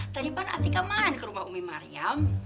tadi kan atika main ke rumah umi maryam